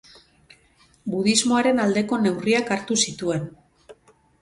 Budismoaren aldeko neurriak hartu zituen.